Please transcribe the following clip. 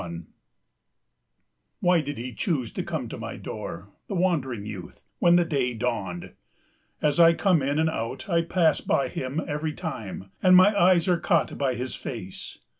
21 Why did he choose to come to my door, the wandering youth, when the day dawned? As I come in and out I pass by him every time, and my eyes are caught by his face.